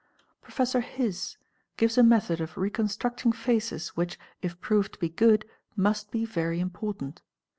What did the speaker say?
Prof. His®® gives a method of reconstructing faces which, if proved to be good, must be very important.